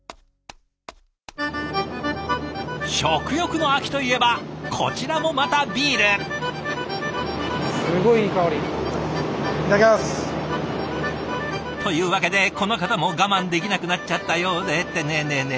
食欲の秋といえばこちらもまたビール！というわけでこの方も我慢できなくなっちゃったようでってねえねえねえ！